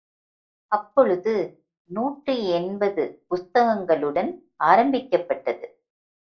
அப்பொழுது நூற்றி எண்பது புஸ்தகங்களுடன் ஆரம்பிக்கப்பட்டது.